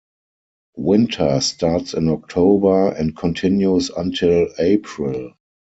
Winter starts in October and continues until April.